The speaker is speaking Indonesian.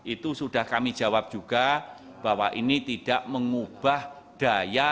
itu sudah kami jawab juga bahwa ini tidak mengubah daya